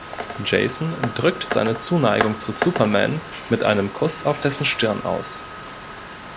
Jason drückt seine Zuneigung zu Superman mit einem Kuss auf dessen Stirn aus.